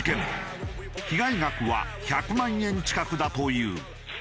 被害額は１００万円近くだという。